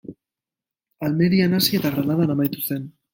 Almerian hasi eta Granadan amaitu zen.